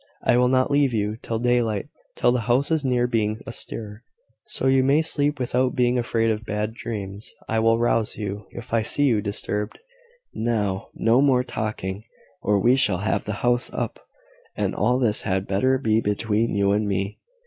I will not leave you till daylight till the house is near being astir: so you may sleep without being afraid of bad dreams. I will rouse you if I see you disturbed. Now, no more talking, or we shall have the house up; and all this had better be between you and me."